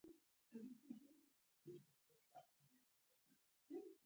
شېبه وروسته مې ورته وویل، که دمه شوې یې، نو درځه له خیره.